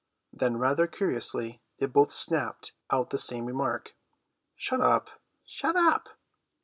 Then rather curiously they both snapped out the same remark: "Shut up!" "Shut up!"